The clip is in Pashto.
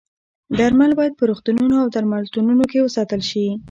درمل باید په روغتونونو او درملتونونو کې وساتل شي.